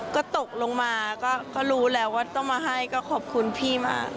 ก็ตกลงมาก็รู้แล้วว่าต้องมาให้ก็ขอบคุณพี่มาก